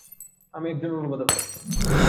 আমি একজন অনুবাদক।